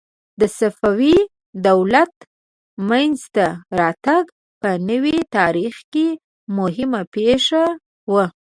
د صفوي دولت منځته راتګ په نوي تاریخ کې مهمه پېښه وه.